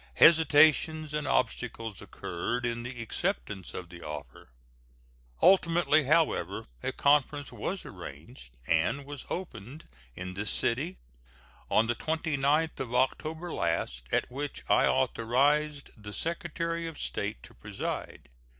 Hesitations and obstacles occurred to the acceptance of the offer. Ultimately, however, a conference was arranged, and was opened in this city on the 29th of October last, at which I authorized the Secretary of State to preside.